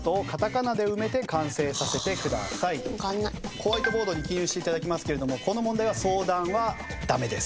ホワイトボードに記入して頂きますけれどもこの問題は相談はダメです。